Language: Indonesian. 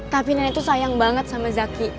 tapi nenek itu sayang banget sama zaki